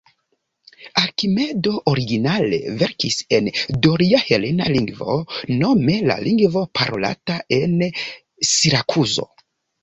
Arkimedo originale verkis en doria helena lingvo, nome la lingvo parolata en Sirakuzo.